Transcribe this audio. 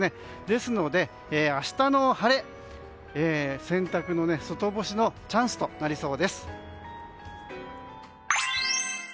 ですので、明日の晴れ洗濯の外干しのチャンスとなりそうです。